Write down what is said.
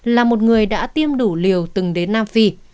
là một người đã tiêm đủ liều từng đến nam phi